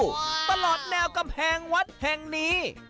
ตลอดแนวกำแพงวัดแห่งนี้